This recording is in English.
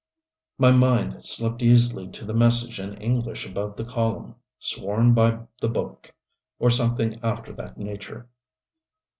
My mind slipped easily to the message in English above the column "Sworn by the Book," or something after that nature.